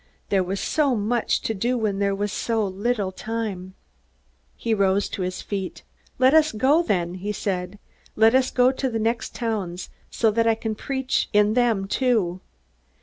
There was so much to do, and there was so little time. He rose to his feet. "Let us go, then," he said. "Let us go to the next towns, so that I can preach in them too.